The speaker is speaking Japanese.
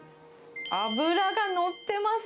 脂が乗ってます。